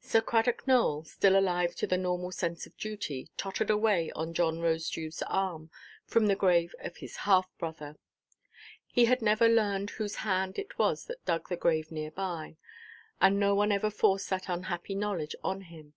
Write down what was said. Sir Cradock Nowell, still alive to the normal sense of duty, tottered away on John Rosedewʼs arm, from the grave of his half–brother. He had never learned whose hand it was that dug the grave near by, and no one ever forced that unhappy knowledge on him.